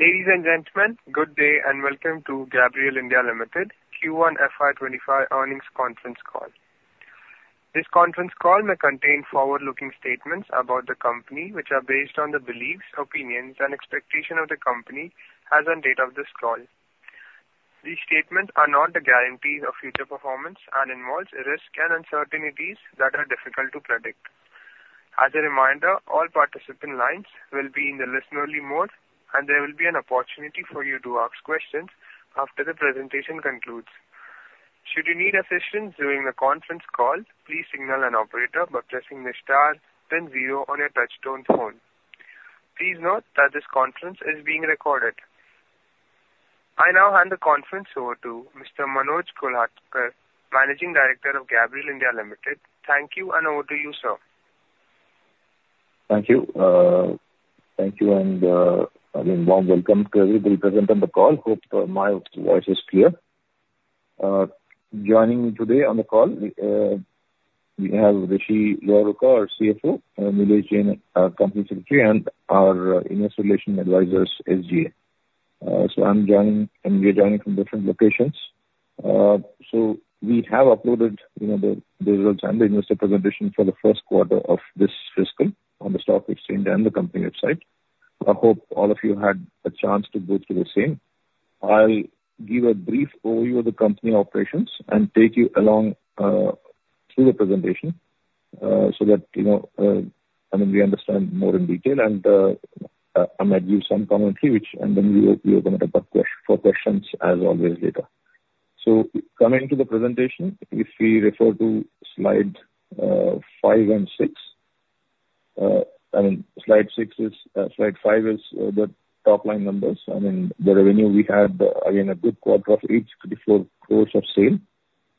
Ladies and gentlemen, good day and welcome to Gabriel India Limited Q1 FY25 earnings conference call. This conference call may contain forward-looking statements about the company, which are based on the beliefs, opinions, and expectations of the company as of the date of this call. These statements are not a guarantee of future performance and involve risks and uncertainties that are difficult to predict. As a reminder, all participant lines will be in the listen-only mode, and there will be an opportunity for you to ask questions after the presentation concludes. Should you need assistance during the conference call, please signal an operator by pressing the star, then zero on your touch-tone phone. Please note that this conference is being recorded. I now hand the conference over to Mr. Manoj Kulhatkar, Managing Director of Gabriel India Limited. Thank you, and over to you, sir. Thank you. Thank you, and I mean, welcome to everybody present on the call. Hope my voice is clear. Joining me today on the call, we have Rishi Luharuka, CFO, Nilesh Jain, our Company Secretary, and our Investor Relations Advisors, SGA. So I'm joining, and we are joining from different locations. So we have uploaded the digital and the investor presentation for the first quarter of this fiscal on the stock exchange and the company website. I hope all of you had a chance to go through the same. I'll give a brief overview of the company operations and take you along through the presentation so that, I mean, we understand more in detail, and I might give some commentary, and then we open it up for questions as always later. So coming to the presentation, if we refer to slide five and six, I mean, slide five is the top-line numbers. I mean, the revenue we had, again, a good quarter of INR 864 crores of sale,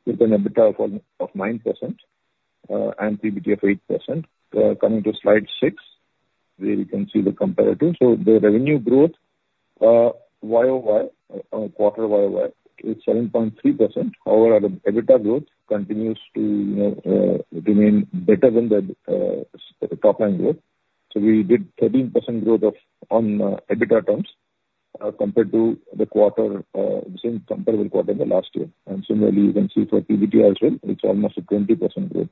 with an EBITDA of 9% and PBT of 8%. Coming to slide six, there you can see the comparative. So the revenue growth YoY, quarter YoY, is 7.3%. However, the EBITDA growth continues to remain better than the top-line growth. So we did 13% growth on EBITDA terms compared to the quarter, the same comparable quarter in the last year. And similarly, you can see for PBT as well, it's almost a 20% growth.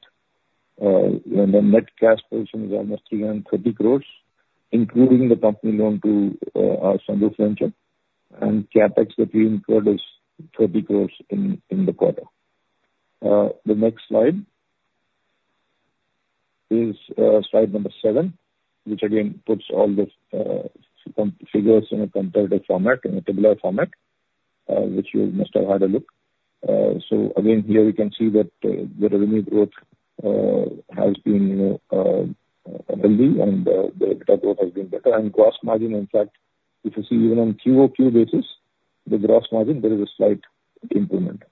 And the net cash position is almost 330 crores, including the company loan to our Sunroof Venture. And CapEx that we incurred is 30 crores in the quarter. The next slide is slide number seven, which again puts all the figures in a comparative format, in a tabular format, which you must have had a look. So again, here you can see that the revenue growth has been healthy, and the EBITDA growth has been better, and gross margin, in fact, if you see, even on QoQ basis, the gross margin, there is a slight improvement.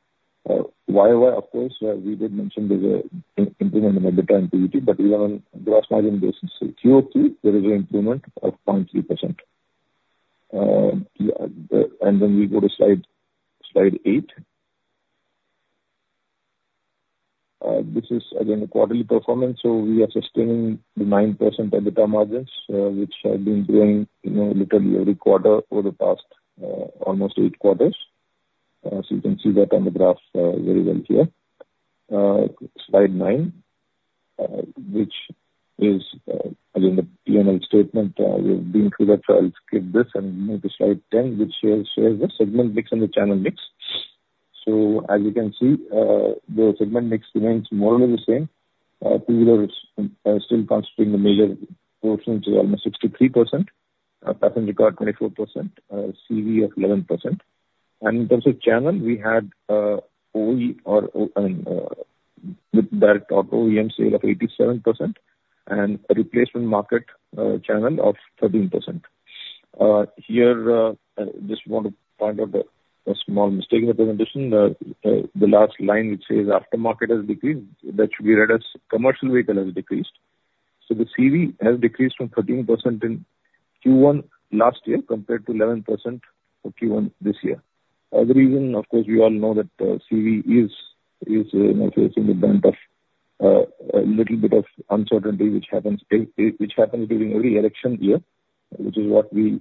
YoY, of course, we did mention there's an improvement in EBITDA and PBT, but even on gross margin basis, QoQ, there is an improvement of 0.3%, and then we go to slide eight. This is, again, quarterly performance, so we are sustaining the 9% EBITDA margins, which have been growing literally every quarter over the past almost eight quarters, so you can see that on the graph very well here. Slide nine, which is, again, the P&L statement. We've been through that, so I'll skip this. And we move to slide 10, which shares the segment mix and the channel mix. So as you can see, the segment mix remains more or less the same. Two-Wheelers is still constituting the major portion, which is almost 63%. Passenger car 24%, CV of 11%. And in terms of channel, we had OE, I mean, with direct OEM sale of 87% and a replacement market channel of 13%. Here, I just want to point out a small mistake in the presentation. The last line, which says aftermarket has decreased, that should be read as commercial vehicle has decreased. So the CV has decreased from 13% in Q1 last year compared to 11% for Q1 this year. The reason, of course, we all know that the CV is facing a bit of a little bit of uncertainty, which happens during every election year, which is what we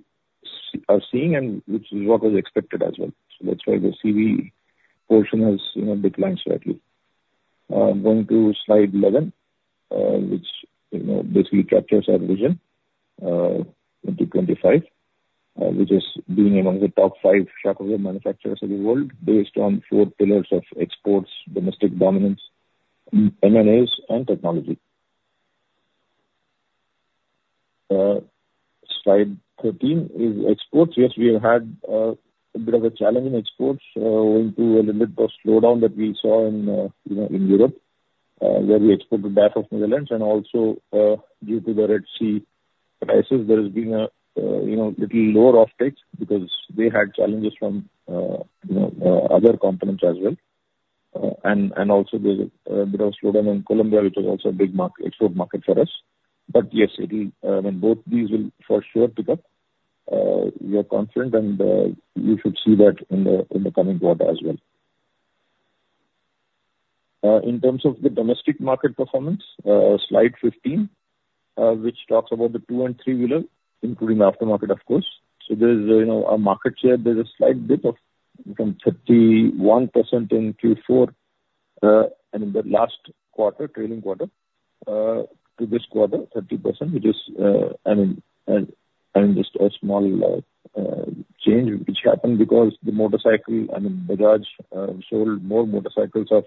are seeing and which is what was expected as well. So that's why the CV portion has declined slightly. Going to slide 11, which basically captures our vision into 25, which is being among the top five shock absorber manufacturers of the world based on four pillars of Exports, Domestic Dominance, M&As, and Technology. Slide 13 is exports. Yes, we have had a bit of a challenge in exports owing to a little bit of slowdown that we saw in Europe, where we export to Netherlands. And also, due to the Red Sea crisis, there has been a little lower offtake because they had challenges from other components as well. And also, there's a bit of slowdown in Colombia, which is also a big export market for us. But yes, I mean, both these will for sure pick up. We are confident, and you should see that in the coming quarter as well. In terms of the domestic market performance, slide 15, which talks about the two and three-wheeler, including aftermarket, of course. So there's a market share. There's a slight dip from 31% in Q4, I mean, the last quarter, trailing quarter, to this quarter, 30%, which is, I mean, just a small change, which happened because the motorcycle, I mean, Bajaj sold more motorcycles of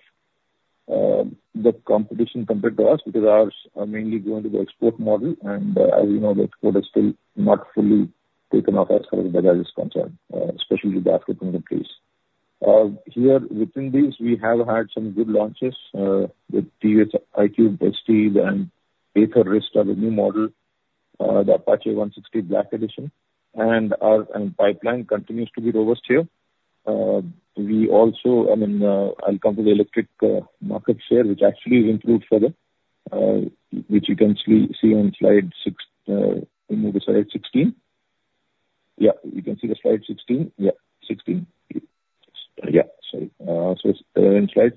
the competition compared to us because ours are mainly going to the export model. And as you know, the export is still not fully taken off as far as Bajaj is concerned, especially the Pulsar and the Dominar. Here, within these, we have had some good launches with TVS iQube ST and Ather Rizta, the new model, the Apache 160 Black Edition. Our pipeline continues to be robust here. We also, I mean, I'll come to the electric market share, which actually improved further, which you can see on slide 16. We move to slide 16. So in slide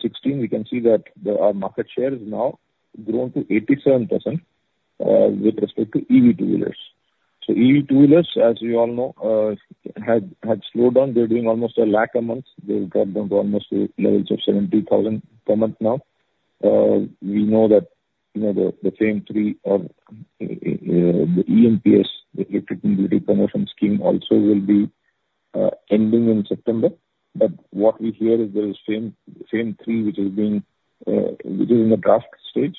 16, we can see that our market share has now grown to 87% with respect to EV two-wheelers. So EV two-wheelers, as you all know, had slowed down. They're doing almost a lakh a month. They've dropped down to almost levels of 70,000 per month now. We know that FAME III or the EMPS, the Electric Mobility Promotion Scheme, also will be ending in September. But what we hear is there is FAME III, which is in the draft stage.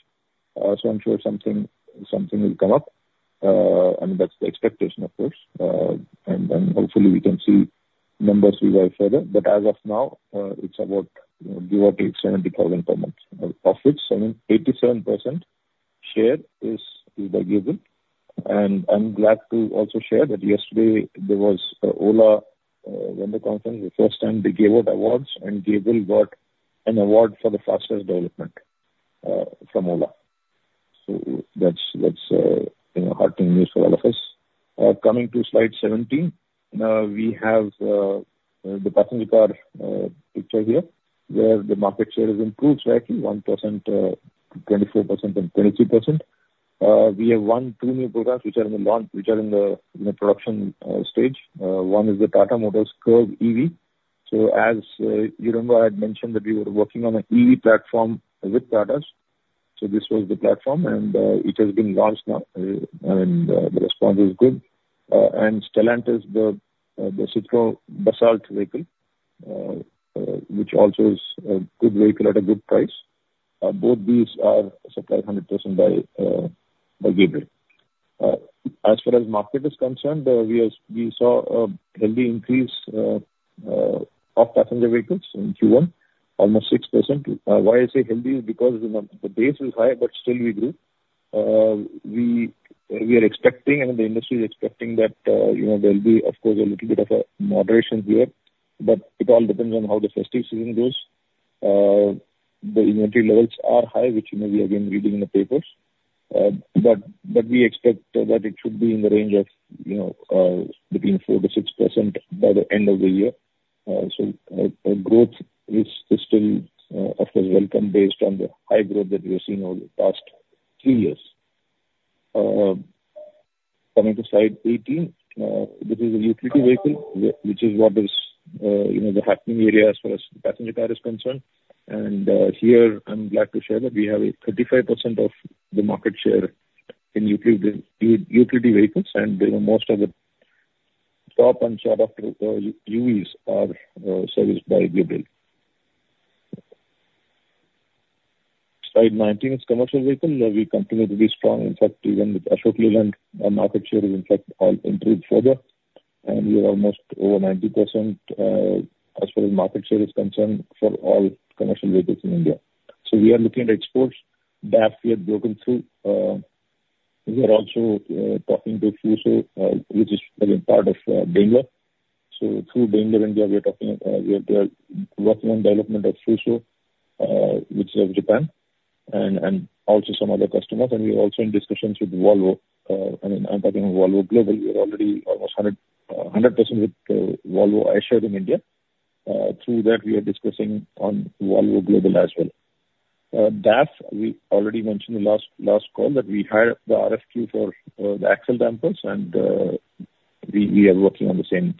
So I'm sure something will come up. I mean, that's the expectation, of course. And then hopefully, we can see numbers revive further. But as of now, it's about give or take 70,000 per month, of which, I mean, 87% share is by Gabriel. And I'm glad to also share that yesterday, there was Ola vendor conference. The first time, they gave out awards, and Gabriel got an award for the fastest development from Ola. So that's heartening news for all of us. Coming to slide 17, we have the passenger car picture here, where the market share has improved slightly 1%, 24%, and 23%. We have one too many programs, which are in the production stage. One is the Tata Motors Curvv EV. As you remember, I had mentioned that we were working on an EV platform with Tata's. This was the platform, and it has been launched now. I mean, the response is good. And Stellantis, the Citroën Basalt vehicle, which also is a good vehicle at a good price. Both these are supplied 100% by Gabriel. As far as market is concerned, we saw a healthy increase of passenger vehicles in Q1, almost 6%. Why I say healthy is because the base is high, but still we grew. We are expecting, and the industry is expecting that there'll be, of course, a little bit of a moderation here. But it all depends on how the festive season goes. The inventory levels are high, which we are again reading in the papers. We expect that it should be in the range of 4%-6% by the end of the year. Growth is still, of course, welcome based on the high growth that we have seen over the past three years. Coming to slide 18, this is a Utility Vehicle, which is what is the happening area as far as the passenger car is concerned. Here, I'm glad to share that we have 35% of the market share in utility vehicles, and most of the top and second UVs are serviced by Gabriel. Slide 19 is commercial vehicle. We continue to be strong. In fact, even with Ashok Leyland, our market share has, in fact, all improved further. We are almost over 90% as far as market share is concerned for all commercial vehicles in India. We are looking at exports. DAF, we have broken through. We are also talking to Fuso, which is part of Daimler. So through Daimler India, we are talking. We are working on development of Fuso, which is of Japan, and also some other customers. And we are also in discussions with Volvo. I mean, I'm talking about Volvo Global. We are already almost 100% with Volvo Eicher in India. Through that, we are discussing on Volvo Global as well. DAF, we already mentioned in the last call that we hired the RFQ for the axle dampers, and we are working on the same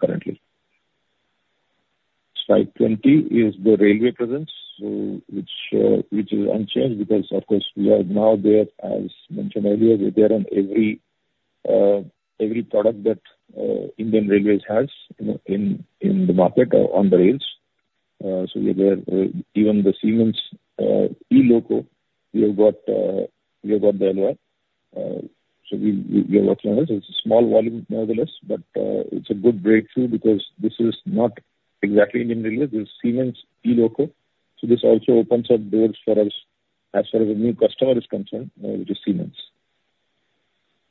currently. Slide 20 is the railway presence, which is unchanged because, of course, we are now there, as mentioned earlier, we're there on every product that Indian Railways has in the market on the rails. So we are there. Even the Siemens e-loco, we have got the LOI. We are working on this. It's a small volume nevertheless, but it's a good breakthrough because this is not exactly Indian Railways. This is Siemens e-Loco. This also opens up doors for us as far as a new customer is concerned, which is Siemens.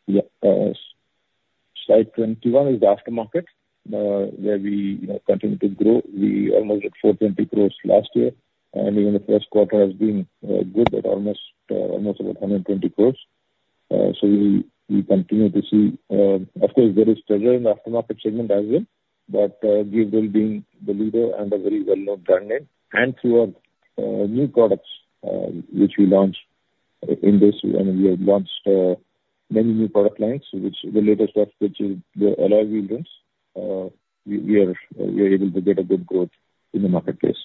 Yeah. Slide 21 is the aftermarket, where we continue to grow. We almost hit 420 crores last year, and even the first quarter has been good at almost about 120 crores. We continue to see, of course, there is traction in the aftermarket segment as well, but Gabriel being the leader and a very well-known brand name. And through our new products, which we launched in this, I mean, we have launched many new product lines, which the latest of which is the alloy wheel rims. We are able to get a good growth in the marketplace.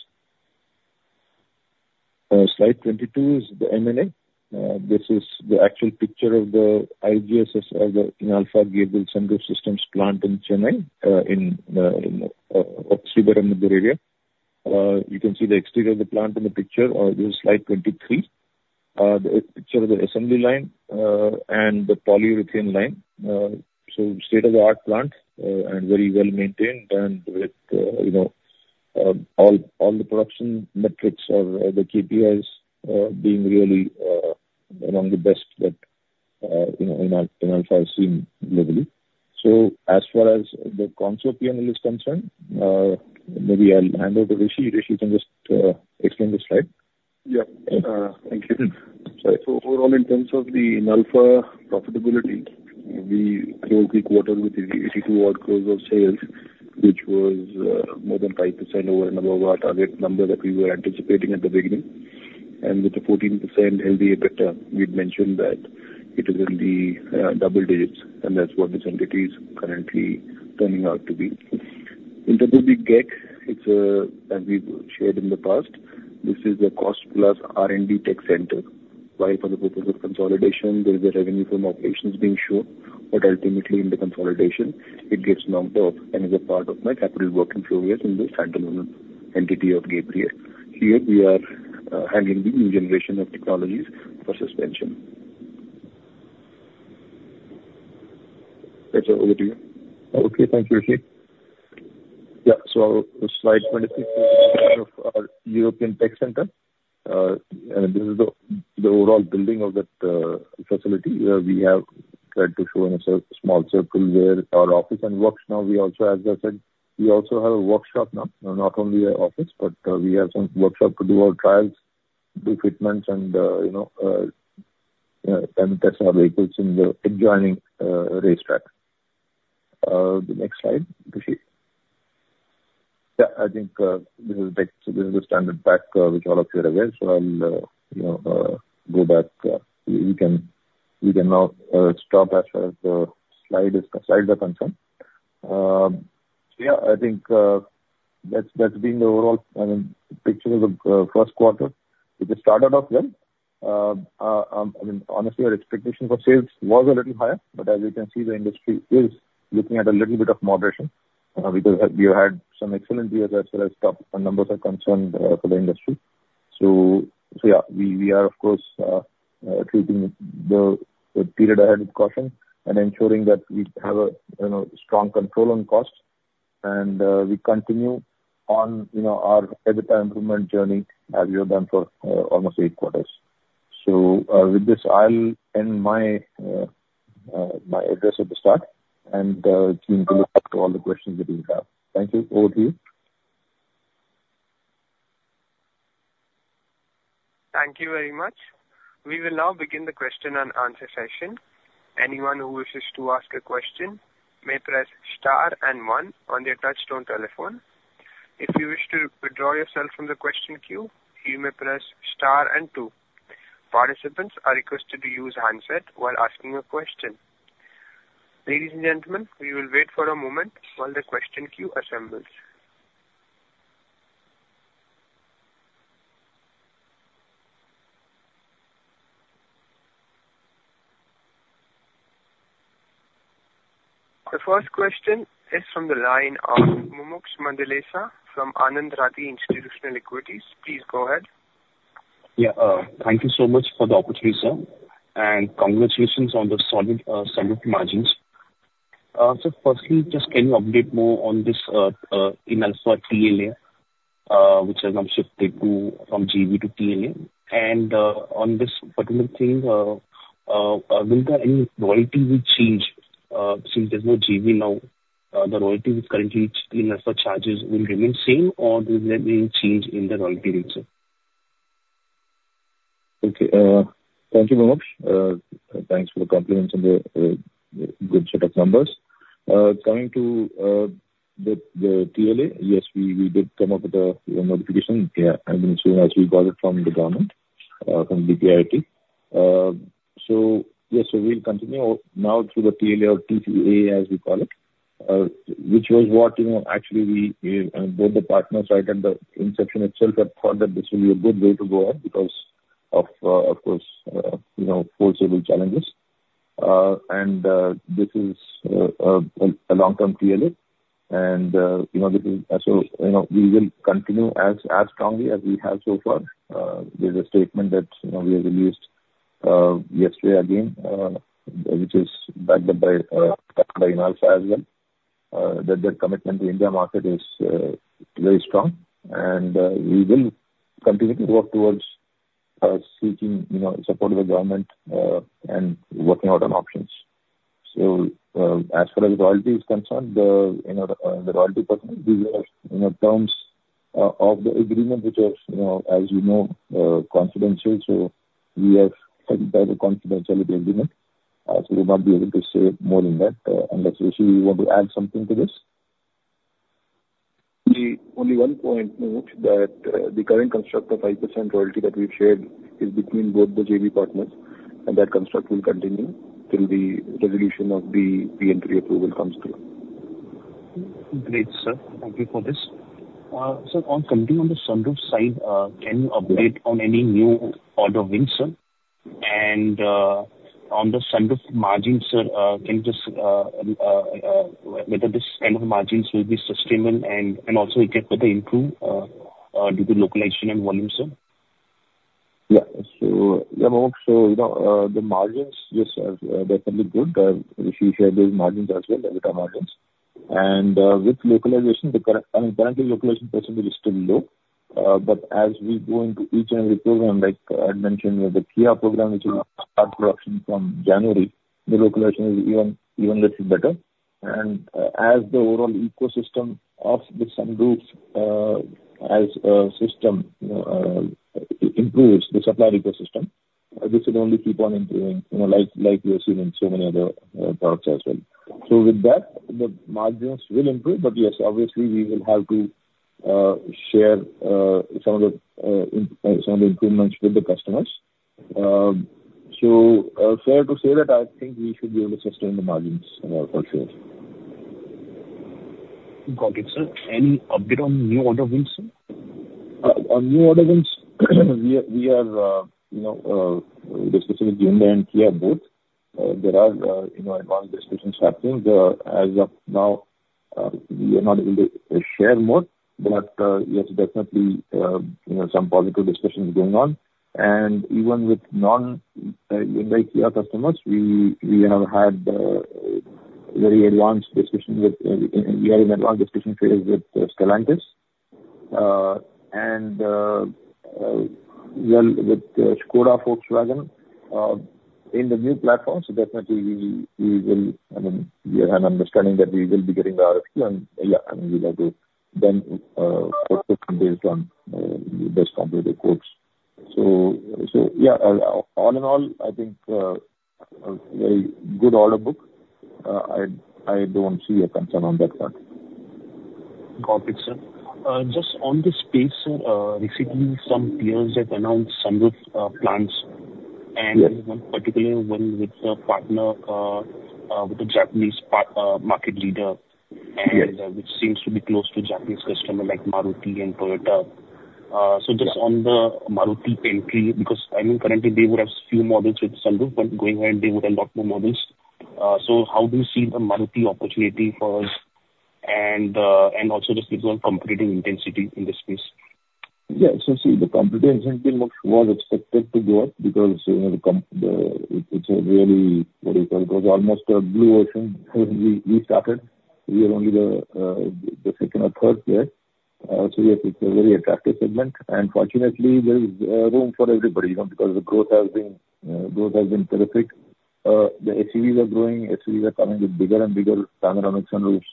Slide 22 is the M&A. This is the actual picture of the IGSSPL, the Inalfa Gabriel Sunroof Systems plant in Chennai, in the Sriperumbudur area. You can see the exterior of the plant in the picture. This is slide 23. The picture of the assembly line and the polyurethane line. It is a state-of-the-art plant and very well maintained and with all the production metrics or the KPIs being really among the best that in Inalfa is seen globally. As far as the consortium is concerned, maybe I'll hand over to Rishi. Rishi, you can just explain the slide. Yeah. Thank you. Overall, in terms of the Inalfa profitability, we closed the quarter with 82-odd crores of sales, which was more than 5% over and above our target number that we were anticipating at the beginning. With the 14% healthy EBITDA, we'd mentioned that it is in the double digits, and that's what this entity is currently turning out to be. In terms of the GEC, as we've shared in the past, this is a cost-plus R&D tech center. While, for the purpose of consolidation, there is a revenue from operations being shown, but ultimately, in the consolidation, it gets knocked off and is a part of capital work in progress in the standalone entity of Gabriel. Here, we are handling the new generation of technologies for suspension. That's it. Over to you. Okay. Thank you, Rishi. Yeah. Slide 26 is the European Tech Center. This is the overall building of that facility where we have tried to show in a small circle where our office and work is now. We also, as I said, have a workshop now. Not only an office, but we have some workshop to do our trials, do fitments, and then test our vehicles in the adjoining racetrack. The next slide, Rishi. Yeah. I think this is the standard pack, which all of you are aware. So I'll go back. We can now stop as far as the slides are concerned. Yeah. I think that's been the overall, I mean, picture of the first quarter, which has started off well. I mean, honestly, our expectation for sales was a little higher, but as you can see, the industry is looking at a little bit of moderation because we have had some excellent years as far as top numbers are concerned for the industry. So yeah, we are, of course, treating the period ahead with caution and ensuring that we have a strong control on cost. And we continue on our EBITDA improvement journey as we have done for almost eight quarters. So with this, I'll end my address at the start and I'm keen to look at all the questions that we have. Thank you. Over to you. Thank you very much. We will now begin the question and answer session. Anyone who wishes to ask a question may press star and one on their touch-tone telephone. If you wish to withdraw yourself from the question queue, you may press star and two. Participants are requested to use handset while asking a question. Ladies and gentlemen, we will wait for a moment while the question queue assembles. The first question is from the line of Mumuksh Mandlesha from Anand Rathi Institutional Equities. Please go ahead. Yeah. Thank you so much for the opportunity, sir. And congratulations on the solid margins. Firstly, just can you update more on this Inalfa TLA, which has now shifted from JV to TLA? And on this particular thing, will there be any royalty change since there's no JV now? The royalty that is currently in Inalfa charges will remain same, or will there be any change in the royalty rates? Okay. Thank you Mumuksh. Thanks for the compliments and the good set of numbers. Coming to the TLA, yes, we did come up with a notification. Yeah. I mean, as soon as we got it from the government, from DPIIT. So yes, so we'll continue now through the TLA or TTA, as we call it, which was what actually we both the partners right at the inception itself had thought that this would be a good way to go on because of, of course, foreseeable challenges. And this is a long-term TLA. This is so we will continue as strongly as we have so far. There's a statement that we have released yesterday again, which is backed up by Inalfa as well, that the commitment to the India market is very strong. We will continue to work towards seeking support of the government and working out on options. So as far as royalty is concerned, the royalty portion, these are terms of the agreement, which are, as you know, confidential. So we have signed the confidentiality agreement. So we might be able to say more on that. And Rishi, you want to add something to this? The only one point Mumuksh is that the current construct of 5% royalty that we've shared is between both the JV partners, and that construct will continue till the resolution of the pre-entry approval comes through. Great, sir. Thank you for this. Sir, on continuing on the sunroof side, can you update on any new order wins, sir? And on the sunroof margins, sir, can you just whether this kind of margins will be sustainable and also get further improved due to localization and volume, sir? Yeah. So yeah, Mumuksh, so the margins, yes, they're fairly good. Rishi shared those margins as well, EBITDA margins. And with localization, the current I mean, currently, localization percentage is still low. But as we go into each and every program, like I mentioned, we have the Kia program, which is in part production from January. The localization is even a little better. And as the overall ecosystem of the sunroof, as a system improves, the supply ecosystem, this will only keep on improving, like we have seen in so many other products as well. So with that, the margins will improve. But yes, obviously, we will have to share some of the improvements with the customers. So fair to say that I think we should be able to sustain the margins for sure. Got it, sir. Any update on new order wins, sir? On new order wins, we are discussing with Hyundai and Kia both. There are advanced discussions happening. As of now, we are not able to share more, but yes, definitely some positive discussions going on. And even with non-Hyundai and Kia customers, we have had very advanced discussions. We are in advanced discussion phase with Stellantis and, well, with Škoda Volkswagen in the new platform. So definitely, we will, I mean, we have an understanding that we will be getting the RFQ. And yeah, I mean, we'd like to then focus on based on those comparative quotes. So yeah, all in all, I think a very good order book. I don't see a concern on that front. Got it, sir. Just on this page, sir, recently, some peers have announced sunroof plans and one particular one with a partner, with a Japanese market leader, which seems to be close to Japanese customers like Maruti and Toyota. So just on the Maruti entry, because I mean, currently, they would have a few models with sunroof, but going ahead, they would have a lot more models. So how do you see the Maruti opportunity for us? And also just looking at competitive intensity in this space. Yeah. So see, the competitive intensity was expected to go up because it's a really, what do you call it? It was almost a blue ocean when we started. We were only the second or third player. So yes, it's a very attractive segment. And fortunately, there's room for everybody because the growth has been terrific. The SUVs are growing. SUVs are coming with bigger and bigger panoramic sunroofs.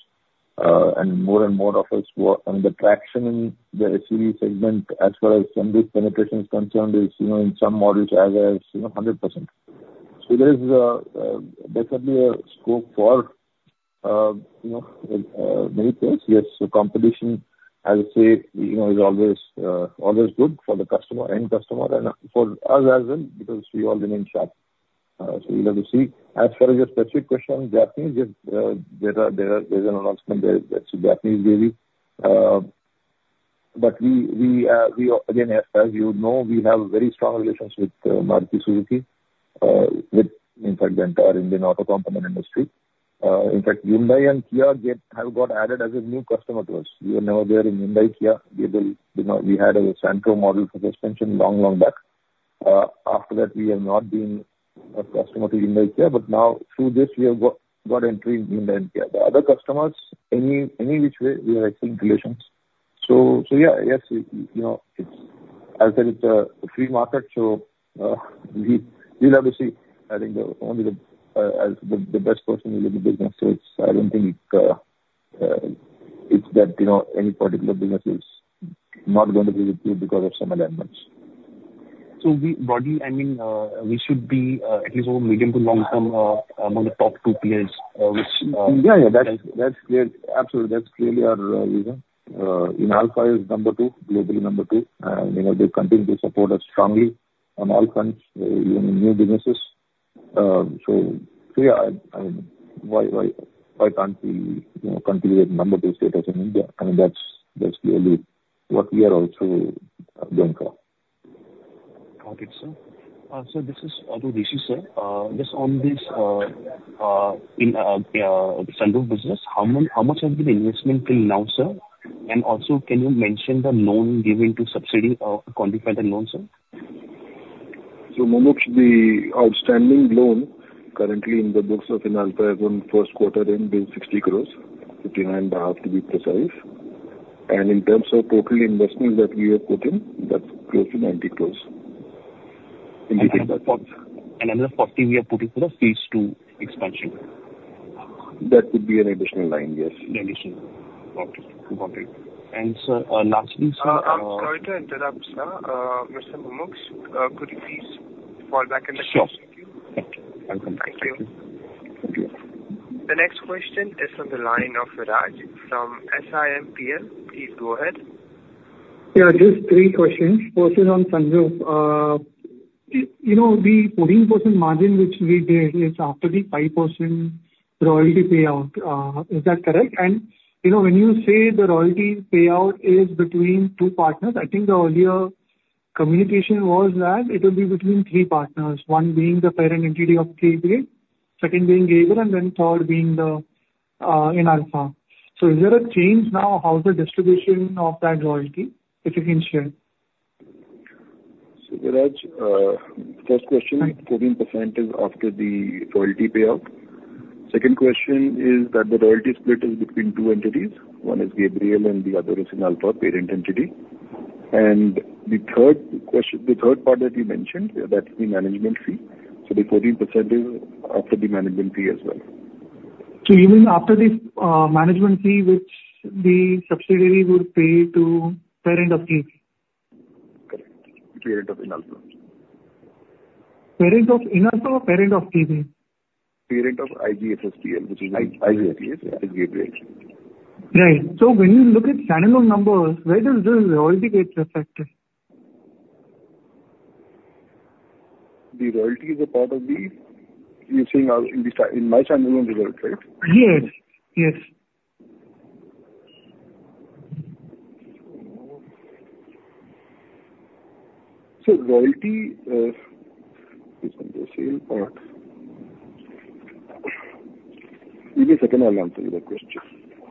And more and more of us, I mean, the traction in the SUV segment as far as sunroof penetration is concerned is in some models as 100%. So there's definitely a scope for many players. Yes, the competition, as I say, is always good for the customer and for us as well because we all remain sharp. So we'll have to see. As far as your specific question on Japanese, yes, there's an announcement there. That's the Japanese JV. But we, again, as you know, we have very strong relations with Maruti Suzuki, with, in fact, the entire Indian auto component industry. In fact, Hyundai and Kia have got added as a new customer to us. We were never there in Hyundai and Kia. We had a Santro model for suspension long, long back. After that, we have not been a customer to Hyundai and Kia. But now, through this, we have got entry in Hyundai and Kia. The other customers, any which way, we have excellent relations. So yeah, yes, as I said, it's a free market. So we'll have to see. I think only the best person will do the business. So I don't think it's that any particular business is not going to be with you because of some alignments. So what do you I mean, we should be at least over medium to long term among the top two players which. Yeah. Yeah. That's clear. Absolutely. That's clearly our reason. Inalfa is number two, globally number two. And they continue to support us strongly on all fronts, even in new businesses. So yeah, I mean, why can't we continue with number two status in India? I mean, that's clearly what we are also going for. Got it, sir. So this is onto Rishi, sir. Just on this sunroof business, how much has been the investment till now, sir? And also, can you mention the loan given to subsidiary or quantify the loan, sir? So Mumuksh, the outstanding loan currently in the books of Inalfa as on first quarter end, being 60 crores, 59.5 to be precise. And in terms of total investment that we have put in, that's close to 90 crores. And another 40 crores we have put in for the phase two expansion. That would be an additional line, yes. Additional. Got it. Got it. And sir, lastly, sir. Sorry to interrupt, sir. Mr. Mumuksh, could you please fall back in the queue? Sure. Thank you. Thank you. The next question is from the line of Viraj from SiMPL. Please go ahead. Yeah. Just three questions. First on sunroof. The 14% margin which we did is after the 5% royalty payout. Is that correct? And when you say the royalty payout is between two partners, I think the earlier communication was that it would be between three partners, one being the parent entity of AIPL, second being Gabriel, and then third being Inalfa. So is there a change now? How's the distribution of that royalty, if you can share? So Viraj, first question, 14% is after the royalty payout. Second question is that the royalty split is between two entities. One is Gabriel and the other is Inalfa, parent entity. And the third part that you mentioned, that's the management fee. So the 14% is after the management fee as well. So you mean after the management fee which the subsidiary would pay to parent of AIPL? Correct. Parent of Inalfa. Parent of Inalfa or parent of AIPL? Parent of IGSSPL, which is Gabriel. Right. So when you look at consolidated numbers, where does the royalty get reflected? The royalty is a part of that you're seeing in the consolidated results, right? Yes. Yes. So royalty is on the same part. In a second I'll answer your question.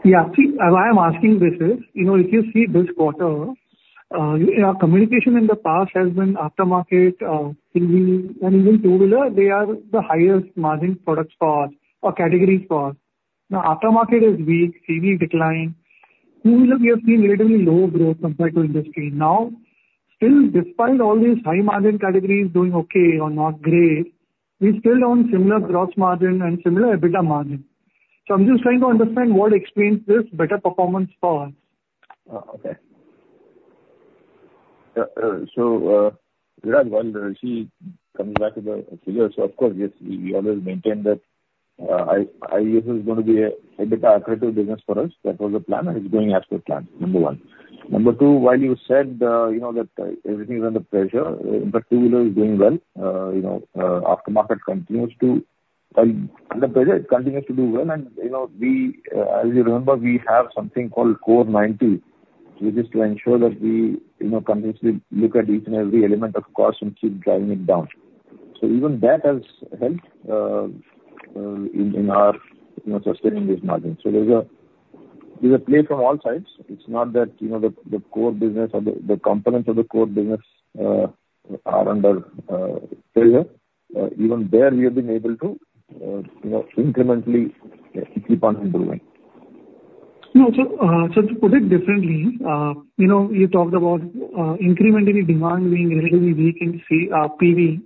Yeah. See, why I'm asking this is, if you see this quarter, our communication in the past has been aftermarket, PV, and even two-wheeler. They are the highest margin products for us or categories for us. Now, aftermarket is weak, PV decline. Two-wheeler, we have seen relatively low growth compared to industry. Now, still, despite all these high margin categories doing okay or not great, we still don't have similar gross margin and similar EBITDA margin. So I'm just trying to understand what explains this better performance for us. Okay. So Viraj, while Rishi comes back to the figures, of course, yes, we always maintain that IGSSPL is going to be an EBITDA-accretive business for us. That was the plan, and it's going as per plan, number one. Number two, while you said that everything is under pressure, in fact, two-wheeler is doing well. Aftermarket continues to be under pressure, it continues to do well. And as you remember, we have something called Core 90, which is to ensure that we continuously look at each and every element of cost and keep driving it down. So even that has helped in our sustaining these margins. So there's a play from all sides. It's not that the core business or the components of the core business are under pressure. Even there, we have been able to incrementally keep on improving. So to put it differently, you talked about incrementally demand being relatively weak in PV.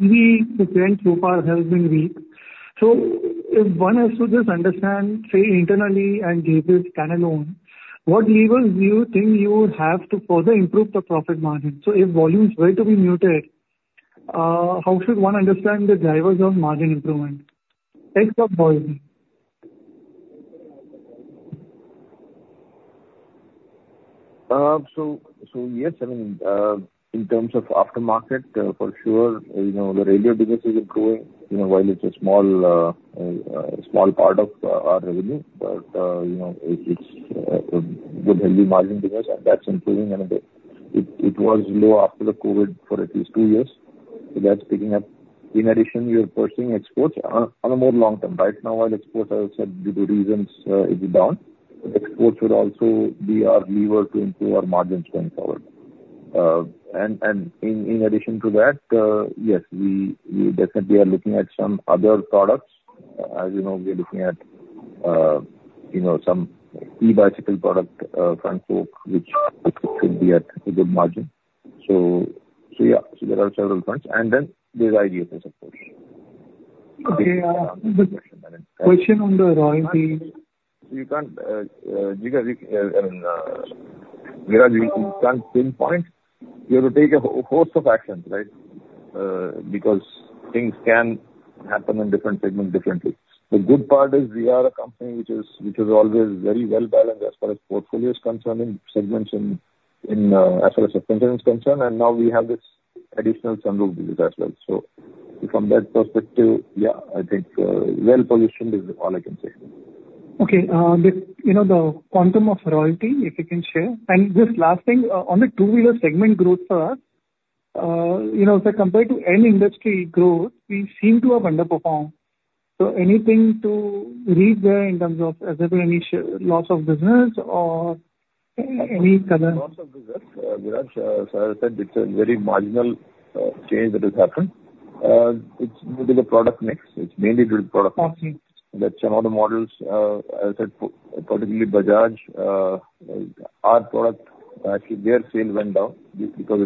PV, the trend so far has been weak. So if one has to just understand, say, internally and Gabriel standalone, what levels do you think you have to further improve the profit margin? So if volumes were to be muted, how should one understand the drivers of margin improvement? Thanks for pausing. So yes, I mean, in terms of aftermarket, for sure, the railway business is improving while it's a small part of our revenue. But it's a good high-margin business, and that's improving. And it was low after the COVID for at least two years. So that's picking up. In addition, you're pursuing exports on a more long-term basis. Right now, while exports, as I said, due to reasons, it's down. Exports would also be our lever to improve our margins going forward. And in addition to that, yes, we definitely are looking at some other products. As you know, we are looking at some e-bicycle product front fork, which should be at a good margin. So yeah, so there are several fronts. And then there's IGSS, of course. Okay. Question on the royalty. So you can't, I mean, Viraj, you can't pinpoint. You have to take a host of actions, right, because things can happen in different segments differently. The good part is we are a company which has always very well-balanced as far as portfolios concerning, segments as far as subsidiaries concerned. And now we have this additional sunroof business as well. So from that perspective, yeah, I think well-positioned is all I can say. Okay. The quantum of royalty, if you can share. And just last thing, on the two-wheeler segment growth for us, if I compare to any industry growth, we seem to have underperformed. So anything to read there in terms of, has there been any loss of business or any current? Loss of business? Viraj, as I said, it's a very marginal change that has happened. It's due to the product mix. It's mainly due to the product mix. That's some of the models, as I said, particularly Bajaj, our product, actually, their sale went down because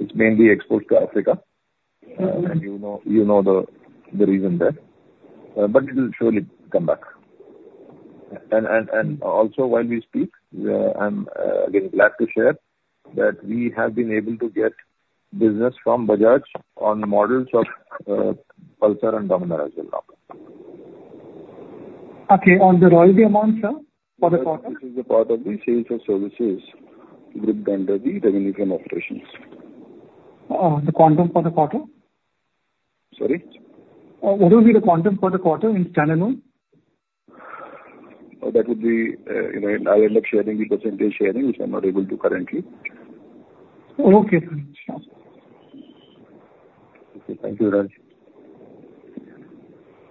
it's mainly exports to Africa. And you know the reason there. But it will surely come back. And also, while we speak, I'm again glad to share that we have been able to get business from Bajaj on models of Pulsar and Dominar as well now. Okay. On the royalty amount, sir? For the quarter? This is the part of the sales of services grouped under the revenue from operations. The quantum for the quarter? Sorry? What will be the quantum for the quarter in channel loan? That would be, I'll end up sharing the percentage sharing, which I'm not able to currently. Okay. Thank you, Viraj.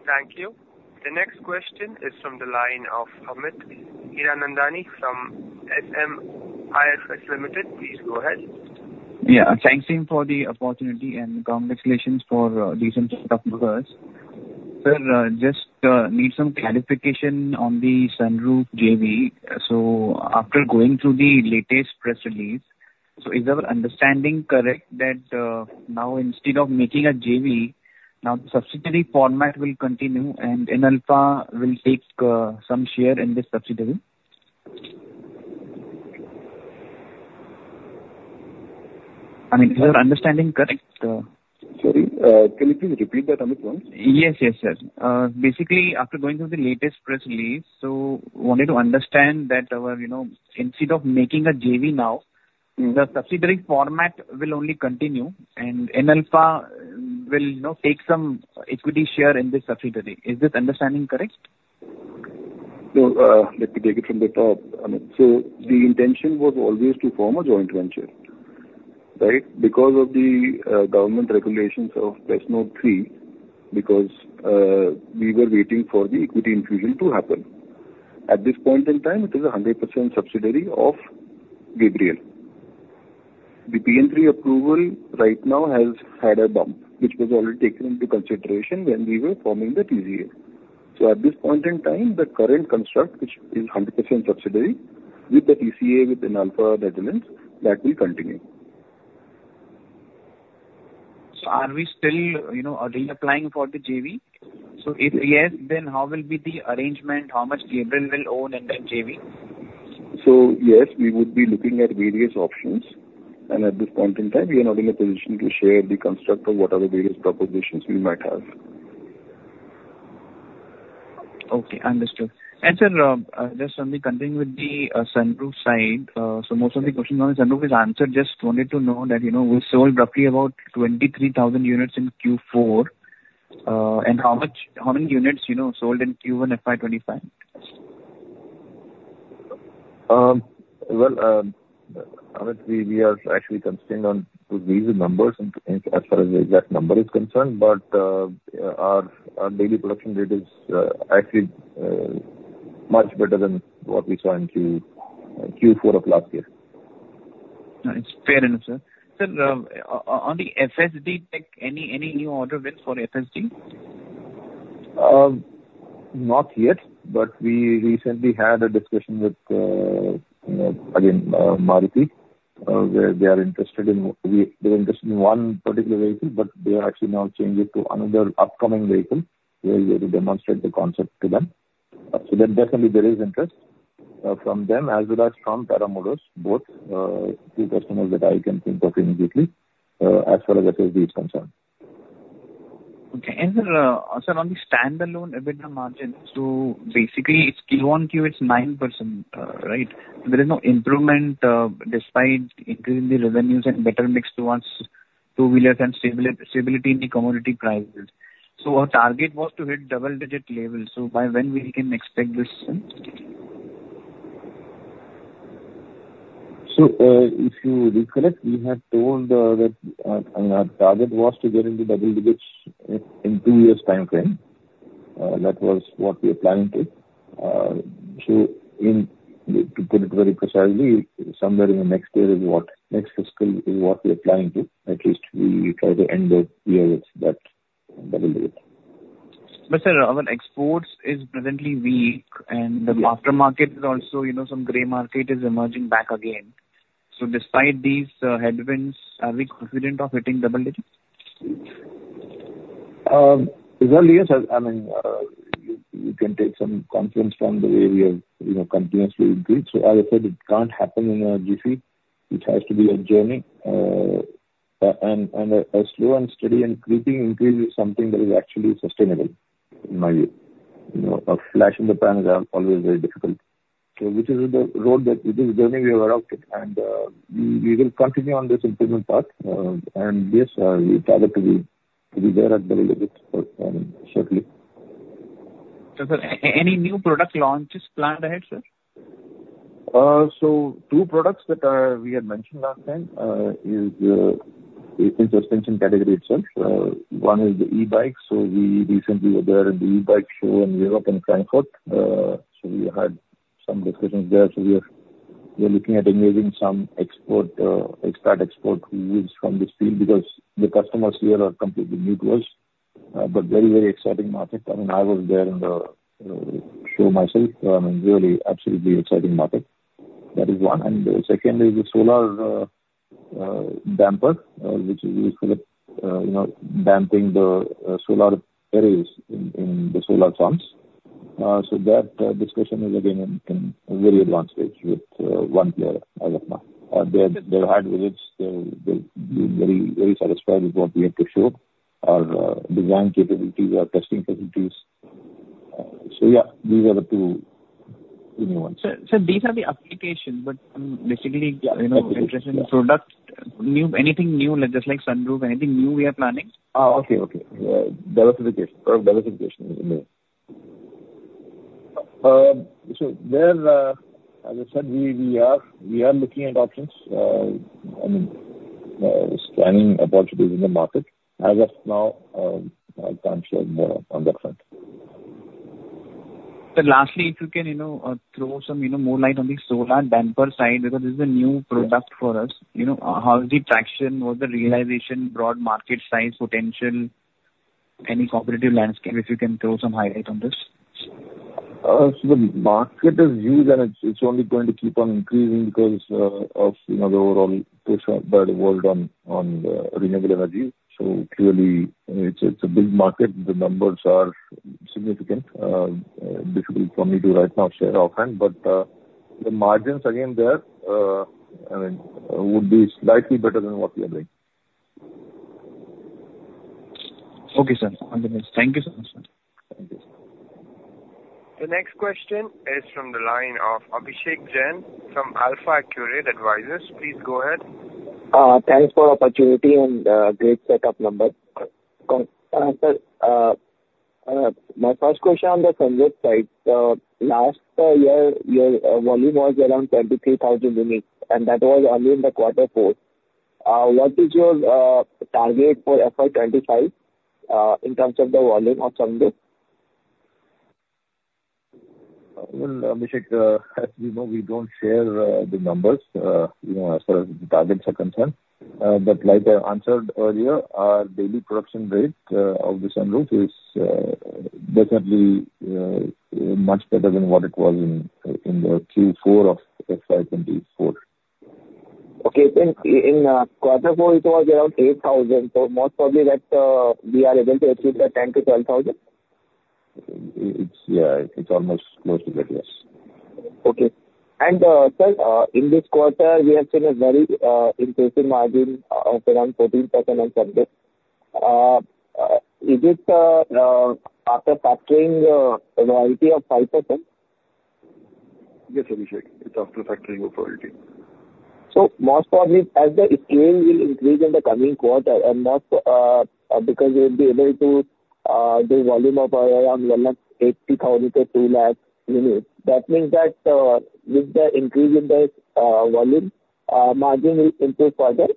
Thank you. The next question is from the line of Amit Hiranandani from SMIFS Limited. Please go ahead. Yeah. Thanks again for the opportunity and congratulations for the recent setup for us. Sir, just need some clarification on the sunroof JV. After going through the latest press release, is our understanding correct that now instead of making a JV, the subsidiary format will continue and Inalfa will take some share in this subsidiary? I mean, is our understanding correct? Can you please repeat that, Amit, once? Yes, yes, yes. Basically, after going through the latest press release, wanted to understand that instead of making a JV now, the subsidiary format will only continue and Inalfa will take some equity share in this subsidiary. Is this understanding correct? Let me take it from the top. I mean, the intention was always to form a joint venture, right, because of the government regulations of Press Note 3, because we were waiting for the equity infusion to happen. At this point in time, it is 100% subsidiary of Gabriel. The PN3 approval right now has had a bump, which was already taken into consideration when we were forming the TCA. So at this point in time, the current construct, which is 100% subsidiary with the TCA with Inalfa Roof Systems, that will continue. So are we still only applying for the JV? So if yes, then how will be the arrangement? How much Gabriel will own and then JV? So yes, we would be looking at various options. And at this point in time, we are not in a position to share the construct of whatever various propositions we might have. Okay. Understood. And sir, just let me continue with the sunroof side. So most of the questions on the sunroof is answered. Just wanted to know that we sold roughly about 23,000 units in Q4. And how many units sold in Q1 FY25? Well, Amit, we are actually constrained on these numbers as far as the exact number is concerned. But our daily production rate is actually much better than what we saw in Q4 of last year. It's fair enough, sir. Sir, on the FSD tech, any new order went for FSD? Not yet. But we recently had a discussion with, again, Maruti, where they were interested in one particular vehicle, but they are actually now changing it to another upcoming vehicle where they demonstrate the concept to them. So then definitely there is interest from them as well as from Tata Motors, both two customers that I can think of immediately as far as FSD is concerned. Okay. And sir, on the standalone EBITDA margin, so basically, Q1 it's 9%, right? There is no improvement despite increasing the revenues and better mix towards two-wheelers and stability in the commodity prices. So our target was to hit double-digit levels. So by when we can expect this? So if you recollect, we had told that our target was to get into double-digits in two years' time frame. That was what we were planning to. So to put it very precisely, somewhere in the next year is what next fiscal is what we're planning to. At least we try to end the year with that double digit. But sir, I mean, exports is presently weak, and the aftermarket is also some gray market is emerging back again. So despite these headwinds, are we confident of hitting double digits? Well, yes. I mean, you can take some confidence from the way we have continuously increased. So as I said, it can't happen in a day. It has to be a journey, and a slow and steady and creeping increase is something that is actually sustainable, in my view. A flash in the pan is always very difficult. So which is the road that this is the journey we have adopted, and we will continue on this improvement path, and yes, we target to be there at double digits shortly. So sir, any new product launches planned ahead, sir? So two products that we had mentioned last time is in suspension category itself. One is the E-bike. So we recently were there in the E-bike show in Europe and Frankfurt. So we had some discussions there. So we are looking at engaging some export expansion moves from this field because the customers here are completely new to us, but very, very exciting market. I mean, I was there in the show myself. I mean, really, absolutely exciting market. That is one, and the second is the solar damper, which is used for damping the solar arrays in the solar farms. So that discussion is, again, in a very advanced stage with one player as of now. They've had visits. They've been very, very satisfied with what we have to show, our design capabilities, our testing facilities. So yeah, these are the two new ones. So these are the applications, but basically, interest in product, anything new, just like sunroof, anything new we are planning? Okay, okay. Diversification, product diversification is the main. So there, as I said, we are looking at options. I mean, scanning opportunities in the market. As of now, I can't share more on that front. But lastly, if you can throw some more light on the solar damper side, because this is a new product for us, how is the traction? What's the realization, broad market size, potential, any competitive landscape, if you can throw some light on this? So the market is huge, and it's only going to keep on increasing because of the overall push by the world on renewable energy. So clearly, it's a big market. The numbers are significant. Difficult for me to right now share offhand. But the margins, again, there, I mean, would be slightly better than what we are doing. Okay, sir. Thank you so much, sir. Thank you. The next question is from the line of Abhishek Jain from Alpha Accurate Advisors. Please go ahead. Thanks for the opportunity and great setup numbers. Sir, my first question on the sunroof side, last year, your volume was around 23,000 units, and that was only in the quarter four. What is your target for FY25 in terms of the volume of sunroof? Well, Abhishek, as you know, we don't share the numbers as far as the targets are concerned. But like I answered earlier, our daily production rate of the sunroof is definitely much better than what it was in the Q4 of FY24. Okay. Then in quarter four, it was around 8,000. So most probably that we are able to achieve that 10-12 thousand? Yeah. It's almost close to that, yes. Okay. And sir, in this quarter, we have seen a very impressive margin of around 14% on sunroof. Is it after factoring a royalty of 5%? Yes, Abhishek. It's after factoring of royalty. So most probably, as the scale will increase in the coming quarter, and most because we'll be able to do volume of around 180,000 to 2 lakh units, that means that with the increase in the volume, margin will improve further?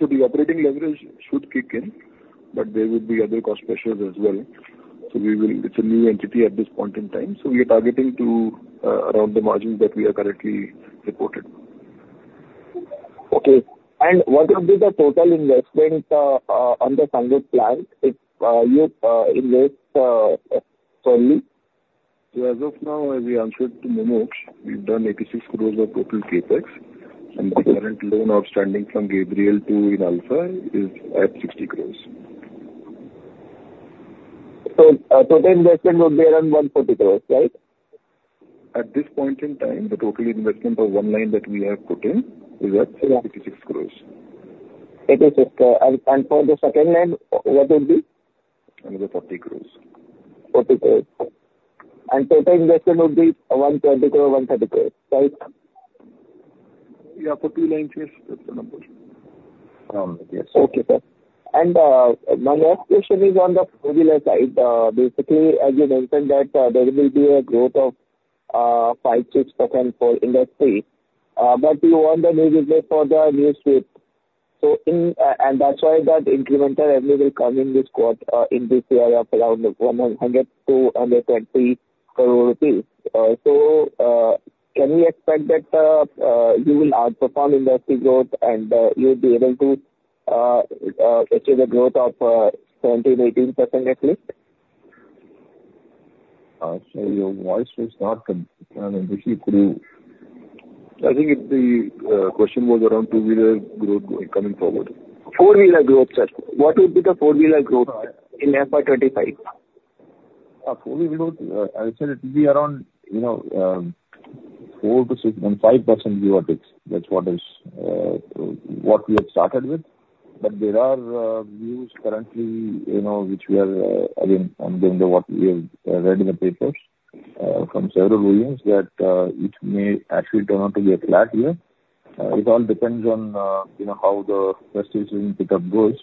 So the operating leverage should kick in, but there would be other cost pressures as well. So it's a new entity at this point in time. So we are targeting to around the margins that we are currently reported. Okay. And what would be the total investment on the sunroof plant if you invest solely? So as of now, as we answered to Mumuksh, we've done 86 crores of total CapEx. And the current loan outstanding from Gabriel to Inalfa is at 60 crores. So total investment would be around 140 crores, right? At this point in time, the total investment of one line that we have put in is at 86 crores. 86 crores. And for the second line, what would be? Another 40 crores. 40 crores. And total investment would be 120 crores-130 crores, right? Yeah. For two lines, yes. That's the number. Yes. Okay, sir. And my last question is on the four-wheeler side. Basically, as you mentioned that there will be a growth of 5%-6% for industry. But you want the new business for the new suite. And that's why that incremental revenue will come in this quarter in this year of around INR 100 to 120 crore rupees. So can we expect that you will outperform industry growth and you'll be able to achieve a growth of 17%-18% at least? I'll say your voice is not, I mean, this is through. I think the question was around two-wheeler growth coming forward. Four-wheeler growth, sir. What would be the four-wheeler growth in FY25? Four-wheel growth, I said it would be around 4%-5% YoY. That's what we had started with. But there are views currently which we are again, I'm going to what we have read in the papers from several analysts that it may actually turn out to be a flat year. It all depends on how the festive pickup goes.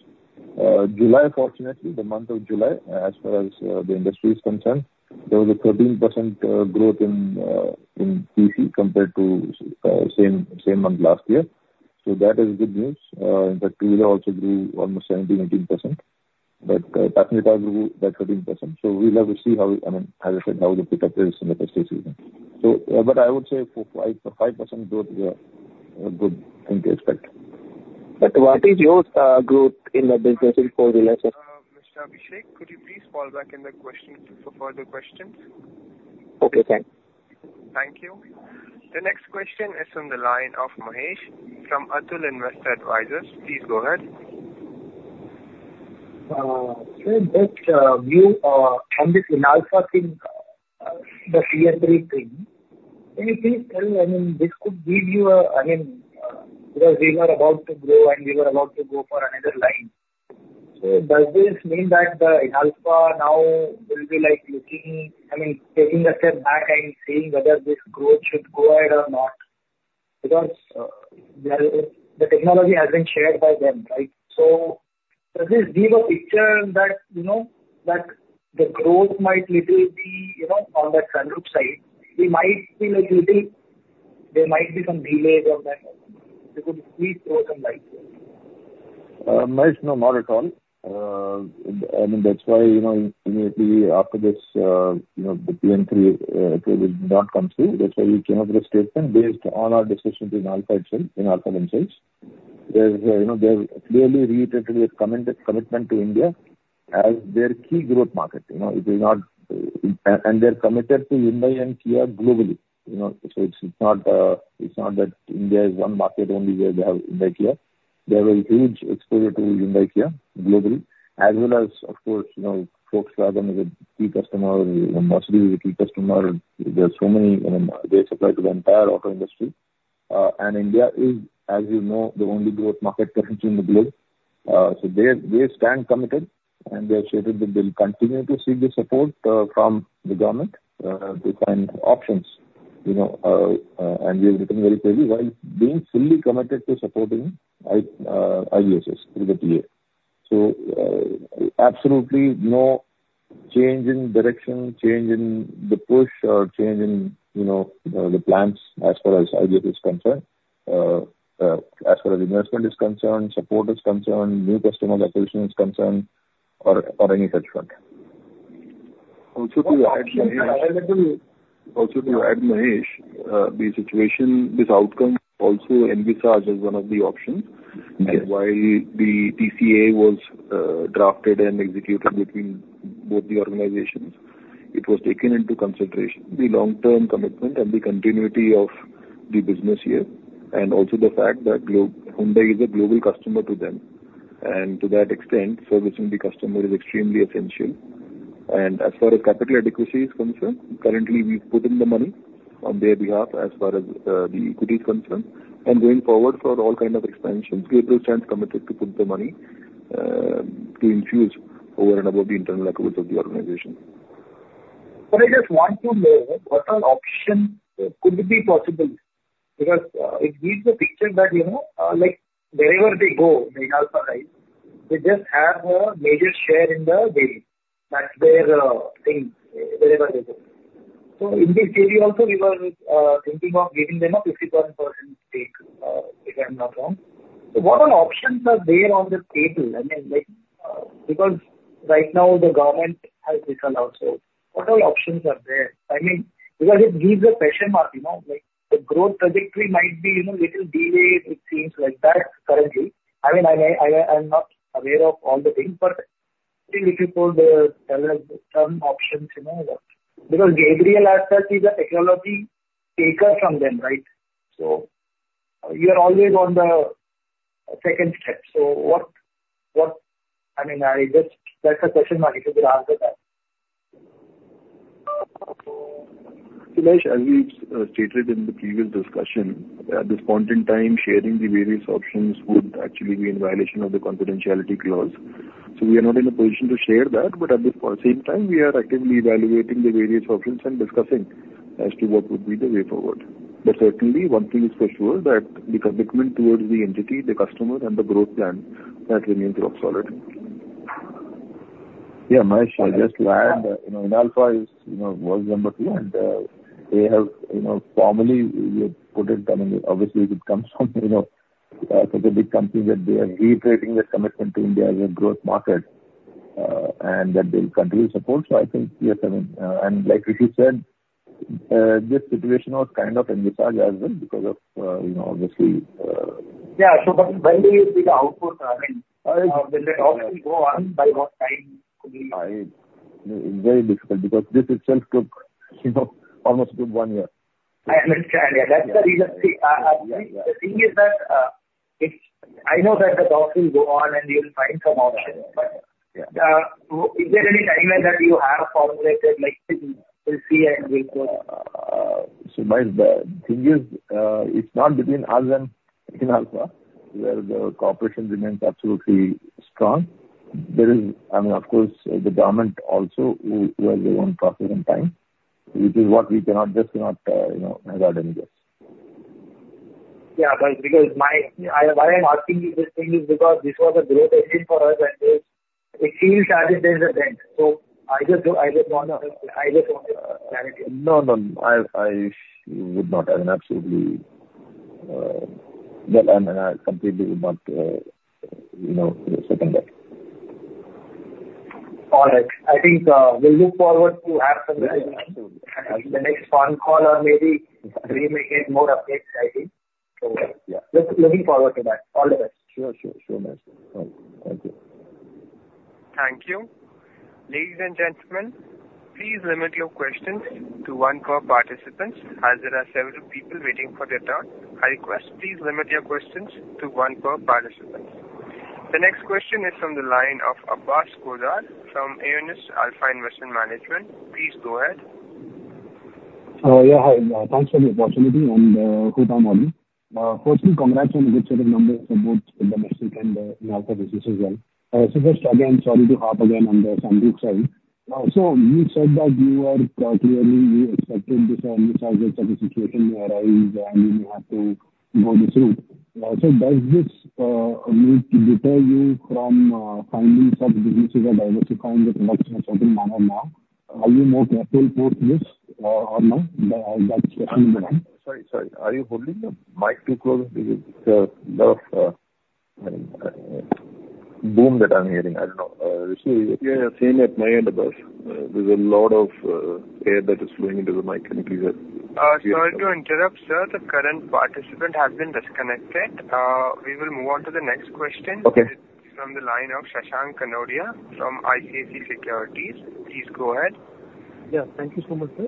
July, fortunately, the month of July, as far as the industry is concerned, there was a 13% growth in PC compared to same month last year. So that is good news. In fact, two-wheeler also grew almost 17%-18%. But passenger car grew by 13%. So we'll have to see how, I mean, as I said, how the pickup is in the festive season. But I would say for 5% growth, we are good thing to expect. But what is your growth in the business in four-wheelers? Mr. Abhishek, could you please fall back in the question queue for further questions? Okay. Thanks. Thank you. The next question is from the line of Mahesh from Atul Invest Advisors. Please go ahead. Sir, this view on the Inalfa thing, the C3 thing, can you please tell me? I mean, this could give you a. I mean, because we were about to grow and we were about to go for another line. So does this mean that the Inalfa now will be like looking? I mean, taking a step back and seeing whether this growth should go ahead or not? Because the technology has been shared by them, right? So does this give a picture that the growth might literally be on the sunroof side? We might feel a little. There might be some delays on that. We could see through some light. Mahesh, no, not at all. I mean, that's why immediately after this, the PN3 approval did not come through. That's why we came up with a statement based on our discussions in Inalfa itself, in Inalfa themselves. They've clearly reiterated their commitment to India as their key growth market. It is not, and they're committed to Hyundai and Kia globally. So it's not that India is one market only where they have Hyundai and Kia. They have a huge exposure to Hyundai and Kia globally, as well as, of course, Volkswagen is a key customer. Mercedes is a key customer. There are so many. I mean, they supply to the entire auto industry, and India is, as you know, the only growth market present in the globe. So they stand committed, and they have stated that they'll continue to seek the support from the government to find options. We have written very clearly while being fully committed to supporting IGSS through the TCA. So absolutely no change in direction, change in the push, or change in the plans as far as IGSS is concerned, as far as investment is concerned, support is concerned, new customer acquisition is concerned, or any such front. Also, to add, Mahesh, the situation, this outcome, was also envisaged as one of the options. While the TCA was drafted and executed between both the organizations, the long-term commitment and the continuity of the business, yeah, and also the fact that Hyundai is a global customer to them were taken into consideration. To that extent, servicing the customer is extremely essential. And as far as capital adequacy is concerned, currently, we've put in the money on their behalf as far as the equity is concerned. And going forward for all kinds of expansions, Gabriel stands committed to put the money to infuse over and above the internal equivalence of the organization. But I just want to know what an option could be possible because it gives a picture that wherever they go, they have a major share in the game. That's their thing wherever they go. So in this theory also, we were thinking of giving them a 51% stake, if I'm not wrong. So what options are there on the table? I mean, because right now the government has this allowed. So what options are there? I mean, because it gives a question mark. The growth trajectory might be a little delayed, it seems like that currently. I mean, I'm not aware of all the things, but if you pull the term options, because Gabriel as such is a technology taker from them, right? So you are always on the second step. So what—I mean, that's a question mark. If you could answer that. Mahesh, as we've stated in the previous discussion, at this point in time, sharing the various options would actually be in violation of the confidentiality clause. So we are not in a position to share that. But at the same time, we are actively evaluating the various options and discussing as to what would be the way forward. But certainly, one thing is for sure that the commitment towards the entity, the customer, and the growth plan that remains rock solid. Yeah. Mahesh, I just add, Inalfa was number two, and they have formally put it. I mean, obviously, it comes from such a big company that they are reiterating their commitment to India as a growth market and that they'll continue to support. So I think, yes, I mean, and like what you said, this situation was kind of envisioned as well because of, obviously. Yeah. So when do you see the output? I mean, will the talks go on by what time? It's very difficult because this itself took almost one year. That's the reason. The thing is that I know that the talks will go on, and you'll find some options. But is there any timeline that you have formulated? We'll see and we'll go. So the thing is, it's not between us and Inalfa where the cooperation remains absolutely strong. There is, I mean, of course, the government also who has their own process and time, which is what we just cannot have our dangers. Yeah. But because why I'm asking you this thing is because this was a growth engine for us, and it feels as if there's a dent. So I just want to clarify. No, no, no. I would not. I mean, absolutely. But I completely would not second that. All right. I think we'll look forward to have some. Absolutely. The next phone call or maybe we may get more updates, I think. So looking forward to that. All the best. Sure, sure. Sure, Mahesh. Thank you. Thank you. Ladies and gentlemen, please limit your questions to one per participant. As there are several people waiting for their turn, I request, please limit your questions to one per participant. The next question is from the line of Abbas Khozema from Alpha Alternatives Investment Management. Please go ahead. Yeah. Hi. Thanks for the opportunity and good morning. Firstly, congrats on the good set of numbers for both domestic and Inalfa business as well. So first, again, sorry to harp again on the sunroof side. So you said that you were clearly—you expected this Envisage-like situation may arise and you may have to go this route. So does this move to deter you from finding such businesses or diversifying the products in a certain manner now? Are you more careful post this or now? That's question number one. Sorry, sorry. Are you holding the mic too close? There's a lot of boom that I'm hearing. I don't know. You're saying it might end above. There's a lot of air that is flowing into the mic. Sorry to interrupt, sir. The current participant has been disconnected. We will move on to the next question. It's from the line of Shashank Kanodia from ICICI Securities. Please go ahead. Yeah. Thank you so much, sir.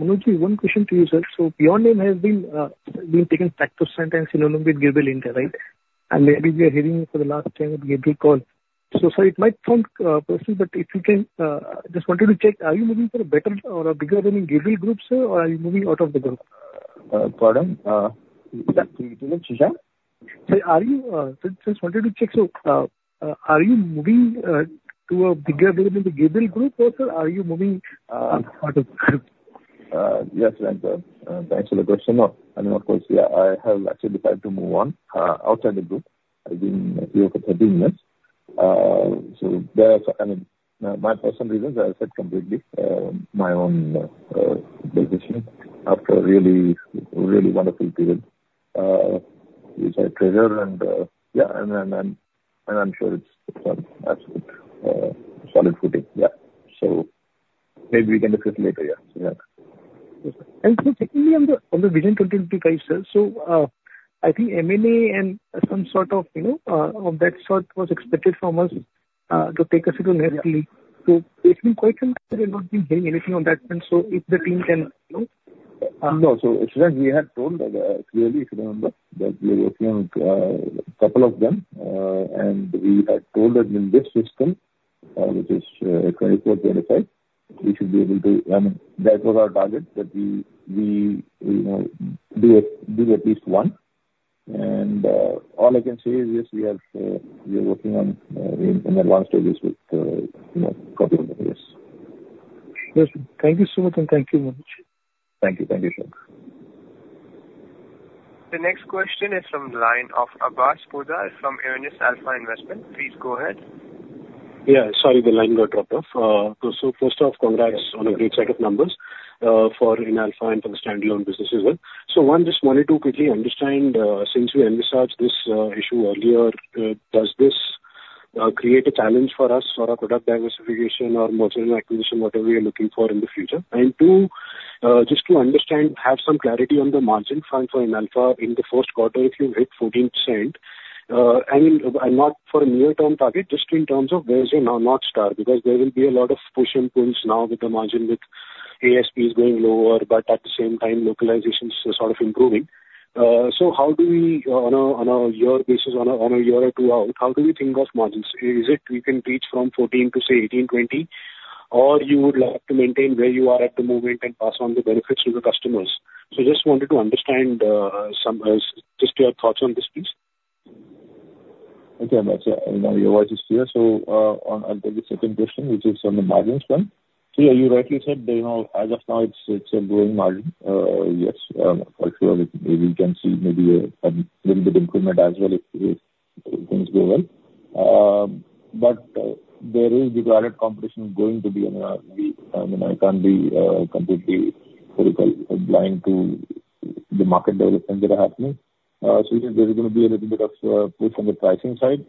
Manojji, one question to you, sir. So your name has become synonymous with Gabriel India, right? And maybe we are hearing you for the last time at Gabriel call. So sorry, it might sound personal, but I just wanted to check, are you moving to a better or a bigger than the Gabriel group, sir, or are you moving out of the group? Pardon? Can you repeat, Shashank? Sorry, just wanted to check. So are you moving to a bigger than the Gabriel group, or sir, are you moving out of the group? Yes, Shashank. Thanks for the question.I mean, of course, yeah, I have actually decided to move on outside the group. I've been here for 13 years. So my personal reasons, as I said, completely my own decision after a really, really wonderful period, which I treasure. And yeah, and I'm sure it's absolute solid footing. Yeah. So maybe we can discuss it later. Yeah. And so taking me on the Vision 2025, sir, so I think M&A and some sort of that sort was expected from us to take us into the next league. So it's been quite unclear. I'm not hearing anything on that front. So if the team can—No. So we had told clearly, if you remember, that we are working on a couple of them. We had told that in this system, which is 2024-2025, we should be able to, I mean, that was our target, that we do at least one. All I can say is, yes, we are working on an advanced stage with a couple of them. Yes. Thank you so much, and thank you very much. Thank you. Thank you, sir. The next question is from the line of Abbas Khozema from Alfa Accurate Advisors Management. Please go ahead. Yeah. Sorry, the line got dropped off. First off, congrats on a great set of numbers for Inalfa and for the standalone business as well. One, just wanted to quickly understand, since we envisaged this issue earlier, does this create a challenge for us for our product diversification or mergers and acquisitions, whatever we are looking for in the future? Two, just to understand, have some clarity on the margin front for Inalfa in the first quarter, if you hit 14%. I mean, and not for a near-term target, just in terms of where's your north star? Because there will be a lot of push and pulls now with the margin, with ASPs going lower, but at the same time, localization is sort of improving. So how do we, on a year basis, on a year or two out, how do we think of margins? Is it we can reach from 14% to, say, 18%-20%, or you would like to maintain where you are at the moment and pass on the benefits to the customers? So just wanted to understand just your thoughts on this, please. Okay. Abbas, your voice is clear. So I'll take the second question, which is on the margins front. So yeah, you rightly said, as of now, it's a growing margin. Yes, for sure. Maybe we can see maybe a little bit of improvement as well if things go well. But there is declared competition going to be. I mean, I can't be completely cynical, blind to the market developments that are happening. So there's going to be a little bit of push on the pricing side.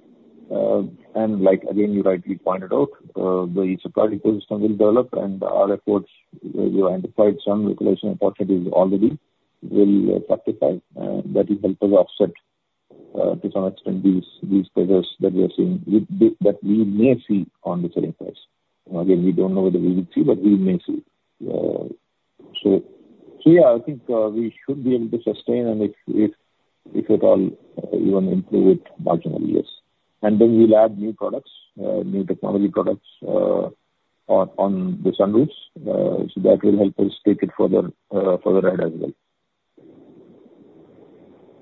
And again, you rightly pointed out, the EV product ecosystem will develop, and our efforts, we've identified some localization opportunities already, will testify that will help us offset to some extent these figures that we are seeing, that we may see on the selling price. Again, we don't know whether we will see, but we may see. So yeah, I think we should be able to sustain, and if at all, even improve it marginally, yes. And then we'll add new products, new technology products on the sunroofs. So that will help us take it further ahead as well.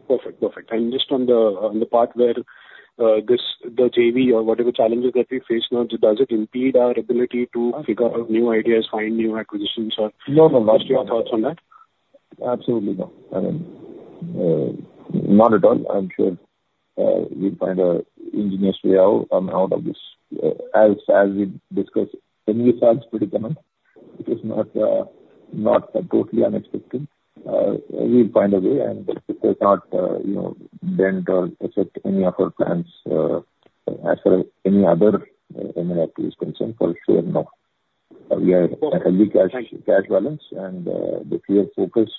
Perfect. Perfect. And just on the part where the JV or whatever challenges that we face now, does it impede our ability to figure out new ideas, find new acquisitions, or. No, no. Lastly, your thoughts on that? Absolutely not. I mean, not at all. I'm sure we'll find an ingenious way out of this. As we discussed, envisaged predicament, it is not totally unexpected. We'll find a way, and it does not dent or affect any of our plans as far as any other M&A activities concerned. For sure, no. We are at a strong cash balance, and the clear focus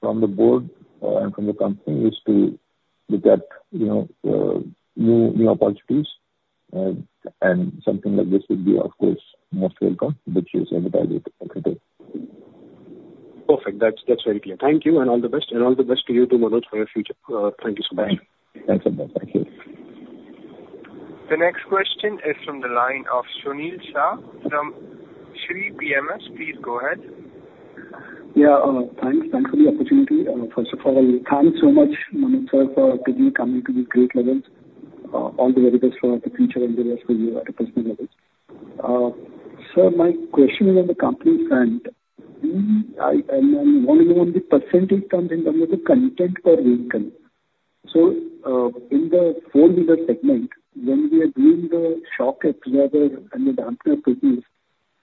from the board and from the company is to look at new opportunities. And something like this would be, of course, most welcome, which is adding exciting. Perfect. That's very clear. Thank you, and all the best. And all the best to you too, Manoj, for your future. Thank you so much. Thanks a lot. Thank you. The next question is from the line of Sunil Shah from SRE PMS. Please go ahead. Yeah. Thanks. Thanks for the opportunity. First of all, thanks so much, Manoj, sir, for today coming to these great levels. All the very best for the future and the best for you at a personal level. Sir, my question is on the company front. I am wondering on the percentage terms in terms of the content per vehicle. So in the four-wheeler segment, when we are doing the shock absorber and the damper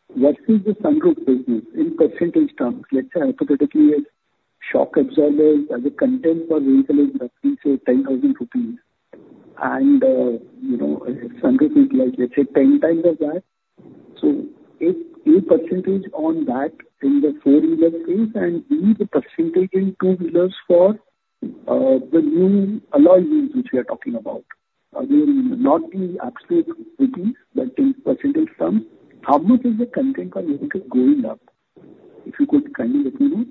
business, what is the sunroof business in percentage terms? Let's say hypothetically, shock absorbers as a content per vehicle is roughly, say, 10,000 rupees. And sunroof is like, let's say, 10 times of that. So if a percentage on that in the four-wheeler space and be the percentage in two-wheelers for the new alloy wheels which we are talking about, again, not the absolute rupees, but in percentage terms, how much is the content per vehicle going up? If you could kindly let me know.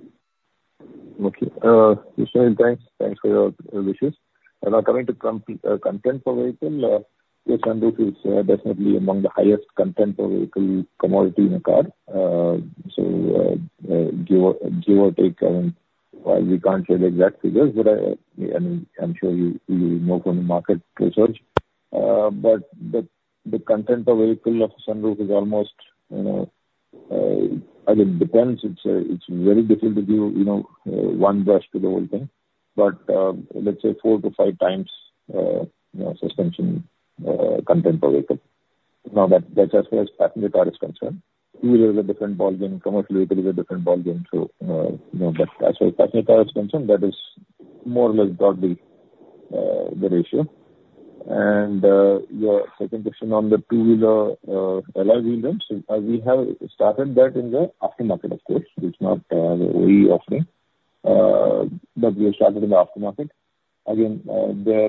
Okay. Thanks. Thanks for your wishes. Now, coming to content per vehicle, the sunroof is definitely among the highest content per vehicle commodity in the car. So give or take, I mean, we can't share the exact figures, but I mean, I'm sure you know from the market research. But the content per vehicle of sunroof is almost, I mean, depends. It's very difficult to do one brush to the whole thing. But let's say four to five times suspension content per vehicle. Now, that's as far as passenger car is concerned. Two-wheelers are different ball game. Commercial vehicles are a different ball game. But as far as passenger car is concerned, that is more or less broadly the ratio. And your second question on the two-wheeler alloy wheel rims, we have started that in the aftermarket, of course. It's not the OE offering, but we have started in the aftermarket. Again, there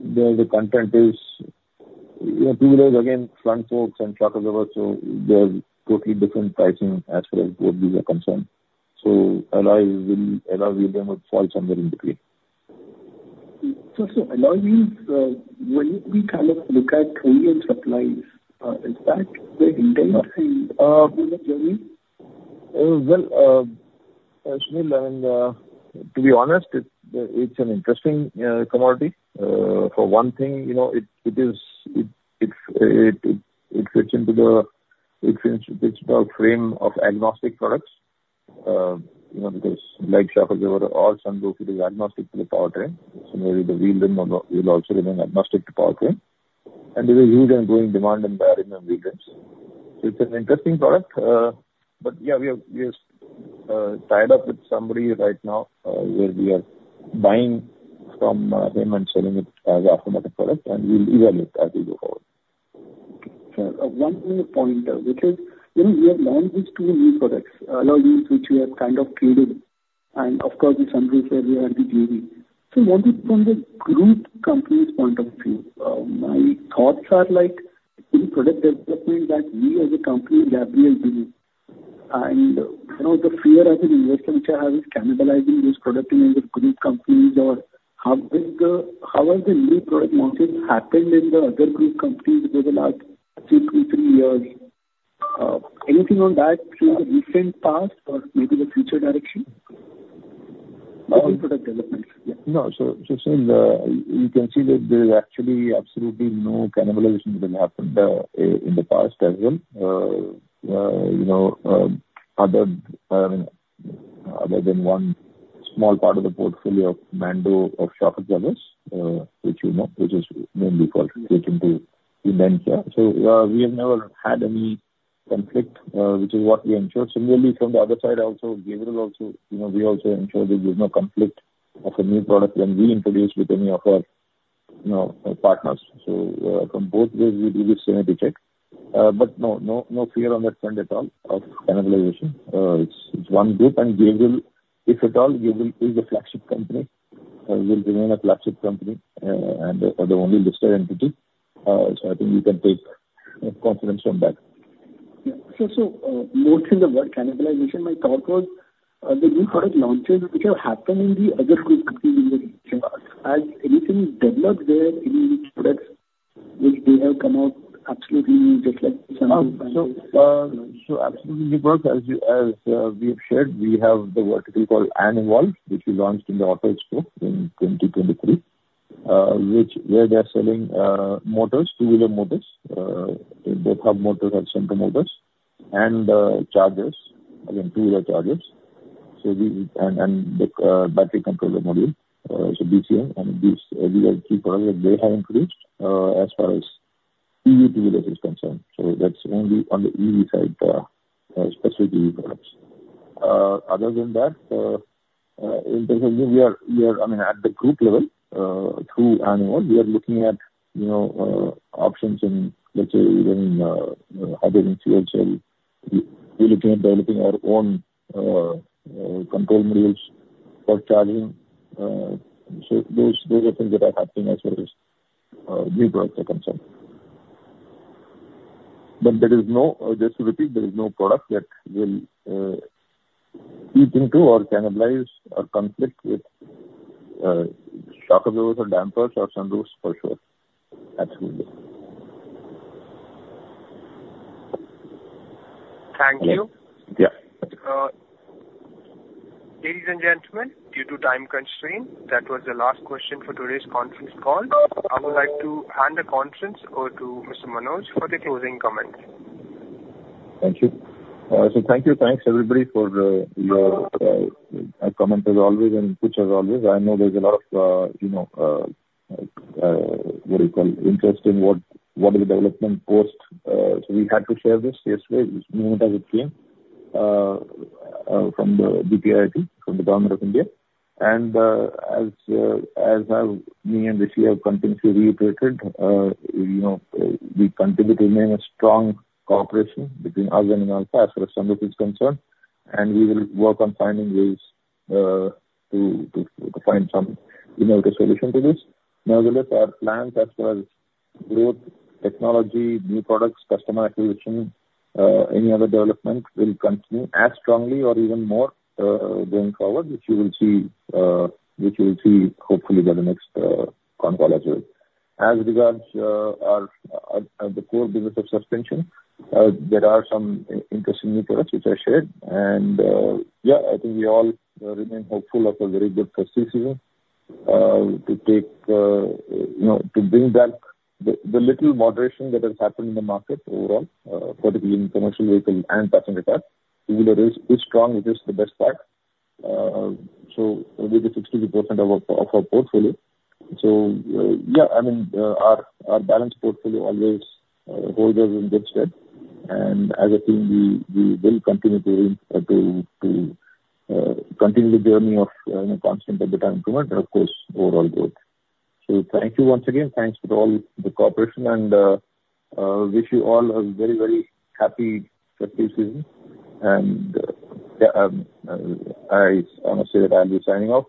the content is two-wheelers, again, front forks and shock absorbers. So they're totally different pricing as far as both these are concerned. So alloy wheel rim would fall somewhere in between. So alloy wheels, when we kind of look at OEM suppliers, is that the intent in the journey? Well, Sunil, I mean, to be honest, it's an interesting commodity. For one thing, it fits into the frame of agnostic products because like shock absorbers, all sunroofs are agnostic to the powertrain. So maybe the wheel rim will also remain agnostic to powertrain. And there's a huge ongoing demand in the aluminum wheel rims. So it's an interesting product. But yeah, we are tied up with somebody right now where we are buying from him and selling it as an aftermarket product, and we'll evaluate as we go forward. Okay. One point, which is we have launched these two new products, alloy wheels, which we have kind of created. And of course, the sunroof area and the JV. So from the group company's point of view, my thoughts are like any product development that we as a company and Gabriel do. The fear as an investor which I have is cannibalizing those product names of group companies or how have the new product launches happened in the other group companies over the last two, two, three years? Anything on that through the recent past or maybe the future direction? Only product developments. Yeah. No. So Sunil, you can see that there is actually absolutely no cannibalization that has happened in the past as well. Other than one small part of the portfolio of Mando of shock absorbers, which is mainly for taking to Avante. So we have never had any conflict, which is what we ensure. Similarly, from the other side, also Gabriel, we also ensure there's no conflict of a new product when we introduce with any of our partners. So from both ways, we do this symmetry check. But no, no fear on that front at all of cannibalization. It's one group. And Gabriel, if at all, Gabriel is a flagship company, will remain a flagship company and the only listed entity. So I think we can take confidence from that. So more to the word cannibalization, my thought was the new product launches which have happened in the other group companies in the region. Has anything developed there in these products which they have come out absolutely just like sunroof brand? So absolutely, we have shared. We have the vertical called ANEVOLVE, which we launched in the Auto Expo in 2023, where they're selling motors, two-wheeler motors, both hub motors and center motors, and chargers, again, two-wheeler chargers. And the Battery Controller Module, so BCM, and these are the three products that they have introduced as far as EV two-wheelers is concerned. So that's only on the EV side, specific EV products. Other than that, in terms of new, we are, I mean, at the group level, through ANEVOLVE, we are looking at options in, let's say, even in hydrogen fuel cell. We're looking at developing our own control modules for charging. So those are things that are happening as far as new products are concerned. But there is no, just to repeat, there is no product that will eat into or cannibalize or conflict with shock absorbers or dampers or sunroofs, for sure. Absolutely. Thank you. Yeah. Ladies and gentlemen, due to time constraint, that was the last question for today's conference call. I would like to hand the conference over to Mr. Manoj for the closing comments. Thank you. So thank you. Thanks, everybody, for your comments as always and inputs as always. I know there's a lot of, what do you call, interest in what is the development post. So we had to share this yesterday, meeting it as it came from the DPIIT, from the Government of India. And as me and Rishi have continuously reiterated, we continue to remain a strong cooperation between us and Inalfa as far as sunroof is concerned. And we will work on finding ways to find some innovative solution to this. Nevertheless, our plans as far as growth, technology, new products, customer acquisition, any other development will continue as strongly or even more going forward, which you will see, which you will see hopefully by the next conference as well. As regards to the core business of suspension, there are some interesting new products, which I shared. Yeah, I think we all remain hopeful of a very good festive season to take to bring back the little moderation that has happened in the market overall, particularly in commercial vehicles and passenger cars. Two-wheeler is strong, which is the best part. So with the 62% of our portfolio. Yeah, I mean, our balanced portfolio always holds us in good stead. As a team, we will continue the journey of constant every-time improvement and, of course, overall growth. Thank you once again. Thanks for all the cooperation. I wish you all a very, very happy festive season. I honestly say that I'll be signing off.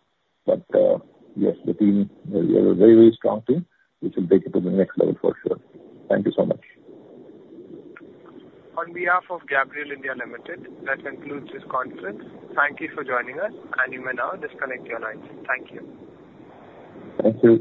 Yes, the team, we have a very, very strong team, which will take it to the next level for sure. Thank you so much. On behalf of Gabriel India Limited, that concludes this conference. Thank you for joining us. And you may now disconnect your lines. Thank you. Thank you.